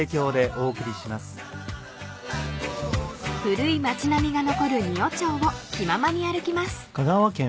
［古い町並みが残る仁尾町を気ままに歩きます］